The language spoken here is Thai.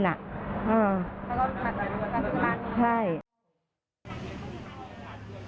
แล้วก็มาชอบสิทธิ์บ้าน